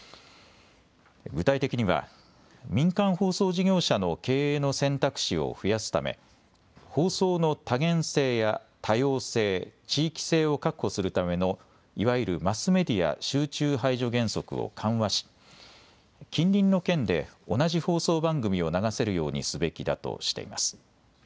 具体的には民間放送事業者の経営の選択肢を増やすため、放送の多元性や多様性、地域性を確保するためのいわゆるマスメディア集中排除原則を緩和し、近隣の県で同じ放送番組を流せるようにすべきだとしています。